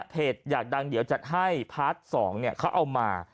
อยากดังเดี๋ยวจัดให้พาร์ท๒เขาเอามา